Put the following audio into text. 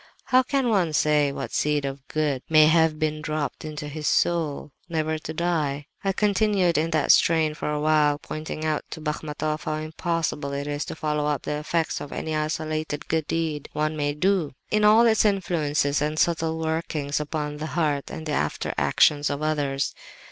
How can one say what seed of good may have been dropped into his soul, never to die?' "I continued in that strain for a long while, pointing out to Bachmatoff how impossible it is to follow up the effects of any isolated good deed one may do, in all its influences and subtle workings upon the heart and after actions of others.